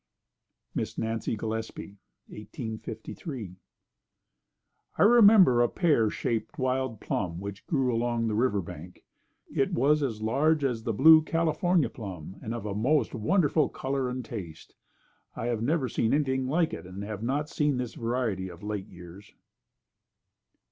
Miss Nancy Gillespie 1853. I remember a pear shaped wild plum which grew along the river bank. It was as large as the blue California plum and of a most wonderful color and taste. I have never seen anything like it and have not seen this variety of late years.